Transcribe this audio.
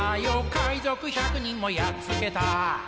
海賊百人もやっつけた」